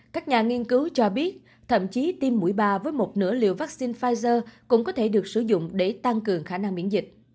các nhà nghiên cứu cho biết thậm chí tiêm mũi ba với một nửa liều vaccine pfizer cũng có thể được sử dụng để tăng cường khả năng miễn dịch